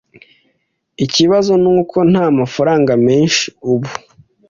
Ikibazo nuko ntamafaranga menshi ubu.